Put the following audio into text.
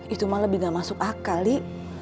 itu mah lebih nggak masuk akal li